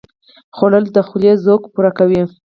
خوړل د خولې ذوق پوره کوي